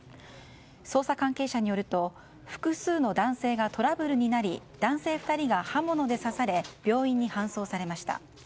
捜査関係者によると複数の男性がトラブルになり男性２人が刃物で刺され病院に搬送されました。